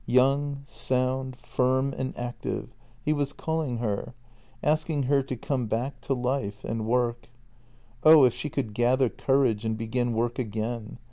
Young, sound, firm, and active, he was calling her, asking her to come back to life — and work. Oh, if she could gather courage and begin work again!